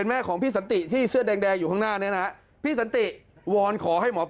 แล้วก็นักปลามาแค่คนเดียวแล้วก็จะมีก้องเข้าบอก